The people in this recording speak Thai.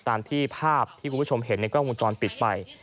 ตามที่ภาพที่คุณผู้ชมเห็นในกล้องวงจรปิดไป